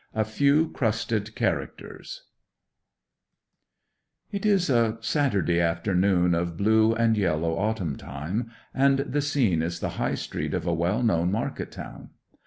A FEW CRUSTED CHARACTERS It is a Saturday afternoon of blue and yellow autumn time, and the scene is the High Street of a well known market town.